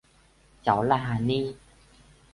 Cháu là hà ni